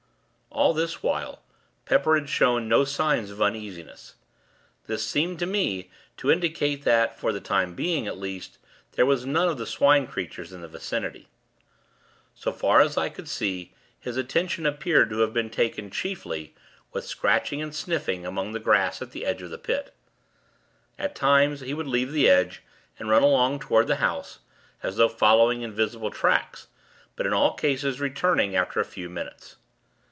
All this while, Pepper had shown no signs of uneasiness. This seemed, to me, to indicate that, for the time being, at least, there was none of the Swine creatures in the vicinity. So far as I could see, his attention appeared to have been taken, chiefly, with scratching and sniffing among the grass at the edge of the Pit. At times, he would leave the edge, and run along toward the house, as though following invisible tracks; but, in all cases, returning after a few minutes.